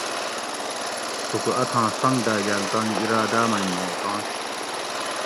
تھوکو اتھاں سنگ داگال تانی ارادا مئ نوٹوںش